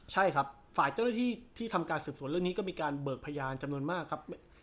ใช่ครับฝ่ายเจ้าหน้าที่ที่ทำการสืบสวนเรื่องนี้ก็มีการเบิกพยานจำนวนมากครับ